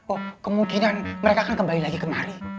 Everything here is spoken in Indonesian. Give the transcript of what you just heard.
oh kemungkinan mereka akan kembali lagi kemari